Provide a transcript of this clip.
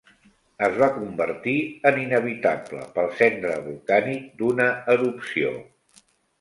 Es va convertir en inhabitable pel cendre volcànic d'una erupció.